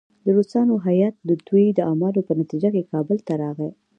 د روسانو هیات د دوی د اعمالو په نتیجه کې کابل ته راغی.